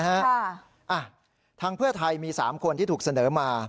ทางเพื่อไทยมี๓คนที่ถูกเสนอมา